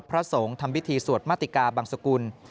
พระสงฆ์ทำพิธีสวดมาติกาบังสกุล